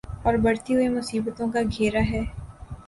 اوربڑھتی ہوئی مصیبتوں کا گھیرا ہے۔